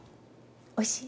おいしい？